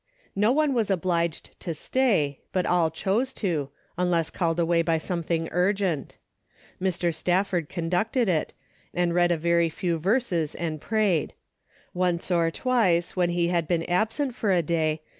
No one was obliged to stay, but all chose to, unless called away by some thing urgent. Mr. Stafford conducted it, and read a very few verses and prayed. Once or twice, when he had been absent for a day.